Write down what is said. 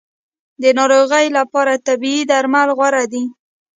د ناروغۍ لپاره طبیعي درمل غوره دي